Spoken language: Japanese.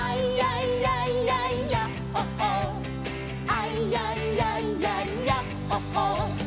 「アイヤイヤイヤイヤッホー・ホー」